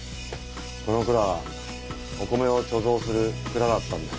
この蔵はお米を貯蔵する蔵だったんだよ。